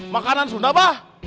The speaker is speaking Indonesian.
makanan sunda bah